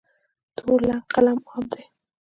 تور رنګ قلم عام دی.